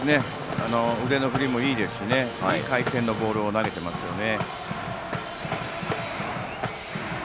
腕の振りもいいですしいい回転のボールを投げていますよね。